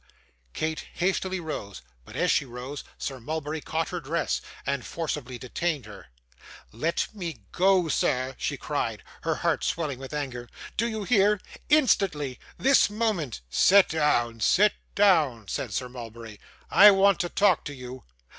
Kate hastily rose; but as she rose, Sir Mulberry caught her dress, and forcibly detained her. 'Let me go, sir,' she cried, her heart swelling with anger. 'Do you hear? Instantly this moment.' 'Sit down, sit down,' said Sir Mulberry; 'I want to talk to you.